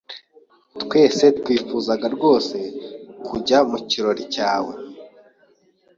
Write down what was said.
Twese twifuza rwose kujya mu kirori cyawe.